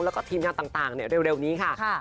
แล้วก็ทีมงานต่างเร็วนี้ค่ะ